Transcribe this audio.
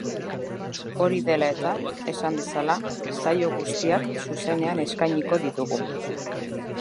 Hori dela eta, esan bezala, saio guztiak zuzenean eskainiko ditugu.